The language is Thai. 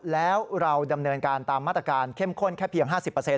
แล้วเราดำเนินการตามมาตรการเข้มข้นแค่เพียง๕๐